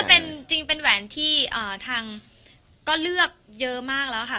จริงเป็นแหวนที่ทางก็เลือกเยอะมากแล้วค่ะ